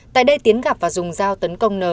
tại đây tiến gặp và dùng dao tấn công n